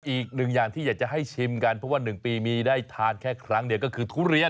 อีกหนึ่งอย่างที่อยากจะให้ชิมกันเพราะว่าหนึ่งปีมีได้ทานแค่ครั้งเนี่ยก็คือทุเรียน